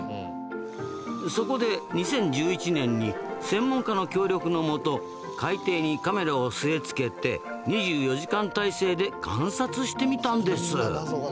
そこで２０１１年に専門家の協力のもと海底にカメラを据え付けて２４時間態勢で観察してみたんです。